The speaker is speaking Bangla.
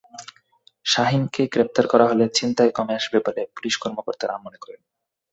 শাহীনকে গ্রেপ্তার করা হলে ছিনতাই কমে আসবে বলে পুলিশ কর্মকর্তারা মনে করেন।